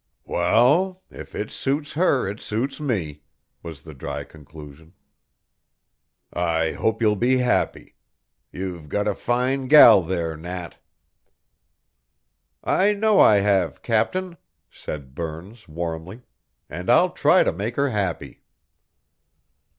"Wal, if it suits her it suits me," was the dry conclusion. "I hope you'll be happy. You've got a fine gal there, Nat." "I know I have, captain," said Burns warmly; "and I'll try to make her happy."